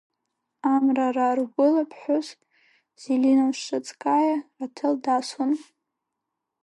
Амрараа ргәыла ԥҳәыс Зелина Шацкаиа аҭел дасуан…